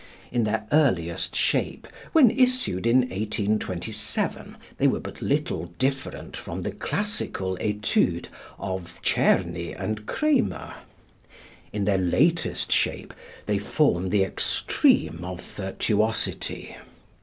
In their earliest shape when issued in 1827, they were but little different from the classical Études of Czerny and Cramer. In their latest shape they form the extreme of virtuosity.